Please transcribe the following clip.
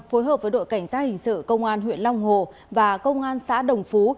phối hợp với đội cảnh sát hình sự công an huyện long hồ và công an xã đồng phú